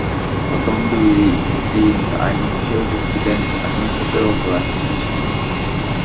প্রথম দুই দিন আইনি বিষয়ে যুক্তি দেন আসামিপক্ষের অপর আইনজীবী শিশির মনির।